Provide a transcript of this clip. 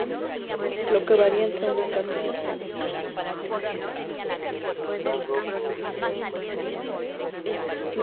Lo que varía entre una carta y otra es la enumeración de esas casas.